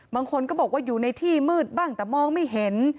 บางคนก็บอกว่าอยู่ในที่มืดบ้างแต่มองไม่เห็น